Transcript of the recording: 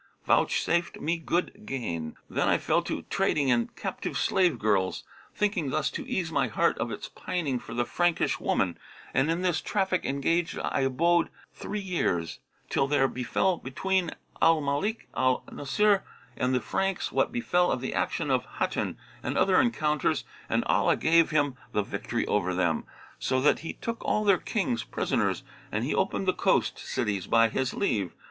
vouchsafed me good gain. Then I fell to trading in captive slave girls, thinking thus to ease my heart of its pining for the Frankish woman, and in this traffic engaged I abode three years, till there befel between Al Malik al Nбsir and the Franks what befel of the action of Hattin and other encounters and Allah gave him the victory over them, so that he took all their Kings prisoners and he opened [FN#32] the coast [FN#33] cities by His leave.